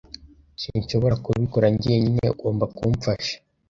Sinshobora kubikora njyenyine. Ugomba kumfasha.